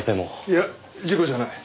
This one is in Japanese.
いや事故じゃない。